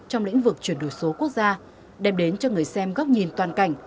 trong lĩnh vực chuyển đổi số quốc gia đem đến cho người xem góc nhìn toàn cảnh